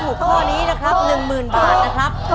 ถูกข้อนี้นะครับหนึ่งหมื่นบาทนะครับ